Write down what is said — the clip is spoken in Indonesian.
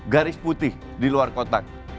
garis putih di luar kotak